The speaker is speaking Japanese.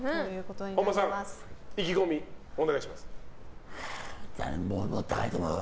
本間さん意気込みをお願いします。